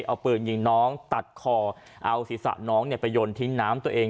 เอาปืนยิงน้องตัดคอเอาศีรษะน้องไปยนทิ้งน้ำตัวเอง